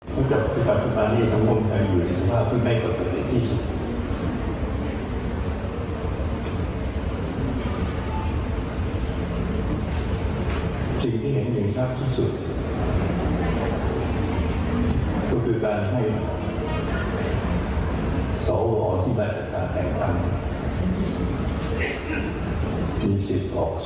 สิ่งที่เห็นเย็นชัดที่สุดคือการให้สอวอที่มาจัดการแห่งการ